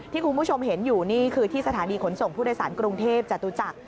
คุณผู้ชมเห็นอยู่นี่คือที่สถานีขนส่งผู้โดยสารกรุงเทพจตุจักร